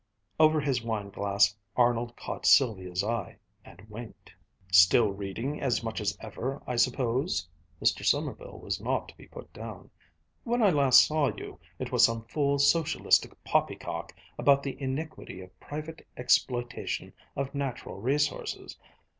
Over his wineglass Arnold caught Sylvia's eye, and winked. "Still reading as much as ever, I suppose." Mr. Sommerville was not to be put down. "When I last saw you, it was some fool socialistic poppycock about the iniquity of private exploitation of natural resources.